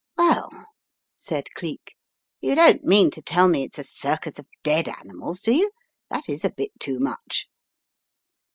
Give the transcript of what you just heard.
"Well," said Cleek. "You don't mean to tell mc it's a circus of dead animals, do you? That is a bit too much."